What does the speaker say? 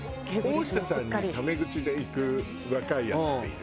大下さんにタメ口でいく若いヤツっている？